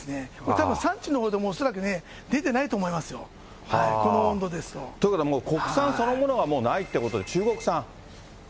たぶん産地のほうでも恐らくね、出てないと思いますよ、この温度ですと。ということはもう国産そのものがもうないってこと、中国産。